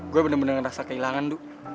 gua bener bener ngerasa kehilangan du